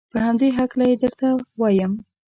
په همدې هلکه یې درته وایم.